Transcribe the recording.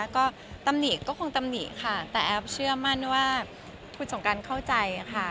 ก็ตำหนิก็คงตำหนิค่ะแต่แอฟเชื่อมั่นว่าคุณสงการเข้าใจค่ะ